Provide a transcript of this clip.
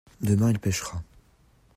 Demain elle pêchera.